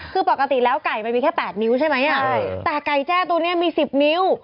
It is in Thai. คือปกติแล้วไก่มันมีแค่๘นิ้วใช่ไหมแต่ไก่แจ้ตัวนี้มี๑๐นิ้ว